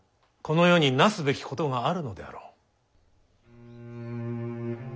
この世に成すべきことがあるのであろう。